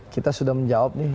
kita sudah menjawab nih